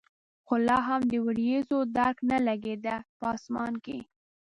خو لا هم د ورېځو درک نه لګېده په اسمان کې.